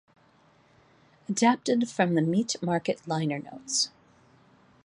Adapted from the "Meat Market" liner notes.